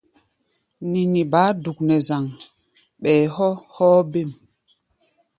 Nini baá duk nɛ zaŋ, ɓɛɛ hɔ́ hɔ́ɔ́-bêm.